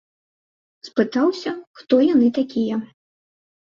Спытаўся, хто яны такія.